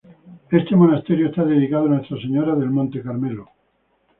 Este monasterio está dedicado a Nuestra Señora del Monte Carmelo.